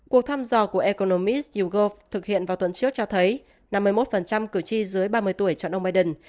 cuộc thăm dò của economis yougov thực hiện vào tuần trước cho thấy năm mươi một cử tri dưới ba mươi tuổi chọn ông biden